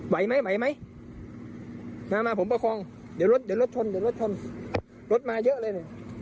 ไหวไหมมาผมประคองเดี๋ยวรถชนรถมาเยอะเลย